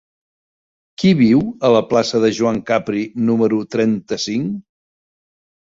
Qui viu a la plaça de Joan Capri número trenta-cinc?